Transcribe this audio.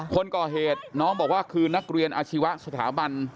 คนก่อเหตุน้องบอกว่าคือนักเรียนอาชีวะสถาบัน